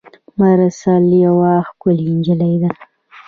مرسل یوه ښکلي نجلۍ ده.